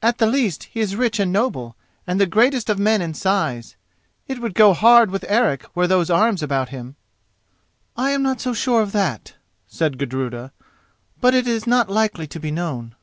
"At the least he is rich and noble, and the greatest of men in size. It would go hard with Eric were those arms about him." "I am not so sure of that," said Gudruda; "but it is not likely to be known."